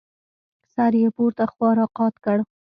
سر يې پورته خوا راقات کړ.